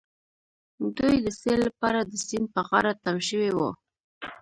دوی د سيل لپاره د سيند په غاړه تم شوي وو.